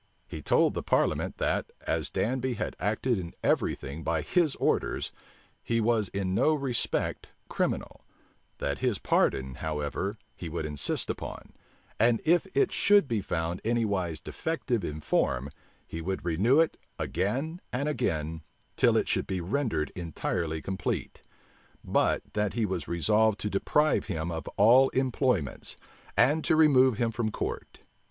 He told the parliament, that, as Danby had acted in every thing by his orders, he was in no respect criminal; that his pardon, however, he would insist upon; and if it should be found anywise defective in form, he would renew it again and again, till it should be rendered entirely complete; but that he was resolved to deprive him of all employments, and to remove him from court.